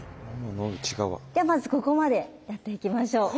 ではまずここまでやっていきましょう。